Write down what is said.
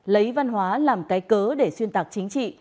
lấy văn hóa làm cái cớ để xuyên tạc chính trị